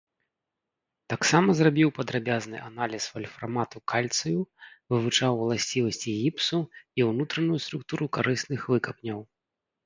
Таксама зрабіў падрабязны аналіз вальфрамату кальцыю, вывучаў ўласцівасці гіпсу і ўнутраную структуру карысных выкапняў.